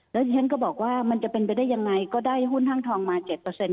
แล้วดีซันต์ก็บอกว่ามันจะเป็นไปได้ยังไงก็ได้หุ้นห้างทองมา๗เปอร์เซ็นต์